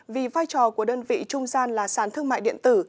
vì vai trò của đơn vị trung gian là sàn thương mại điện tử